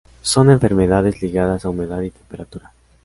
Son enfermedades ligadas a humedad y temperatura.